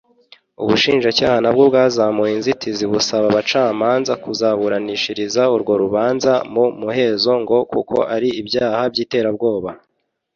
ubushinjacyaha nabwo bwazamuye inzitizi busaba abacamanza kuzaburanishiriza urwo rubanza mu muhezo ngo kuko ari ibyaha by’iterabwoba